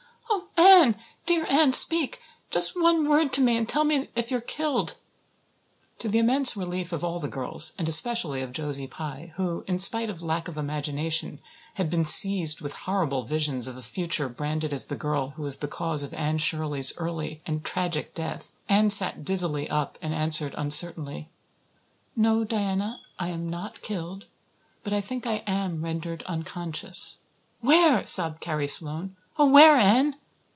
"Oh, Anne, dear Anne, speak just one word to me and tell me if you're killed." To the immense relief of all the girls, and especially of Josie Pye, who, in spite of lack of imagination, had been seized with horrible visions of a future branded as the girl who was the cause of Anne Shirley's early and tragic death, Anne sat dizzily up and answered uncertainly: "No, Diana, I am not killed, but I think I am rendered unconscious." "Where?" sobbed Carrie Sloane. "Oh, where, Anne?"